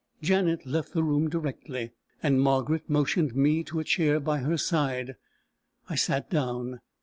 Janet left the room directly, and Margaret motioned me to a chair by her side. I sat down.